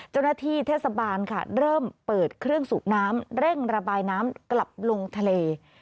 เจ้าหน้าที่เทศบาลค่ะเริ่มเปิดเครื่องสูบน้ำเร่งระบายน้ำกลับลงทะเล